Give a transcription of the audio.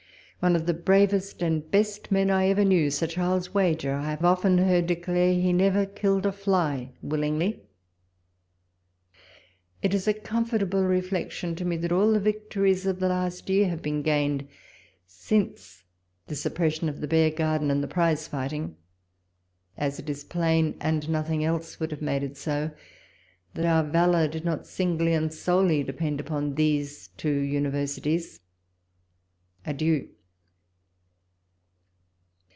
One of the bravest and best men I ever knew, Sir Charles Wager, I have often heard declare he never killed a fly willingly. It is a comfortable reflection to me, that all the victories of last year have been gained since the suppression of the Bear Garden and prize fighting ; as it is plain, and nothing else would have made it so, that our valour did not singly and solely depend upon these two Universities. Adieu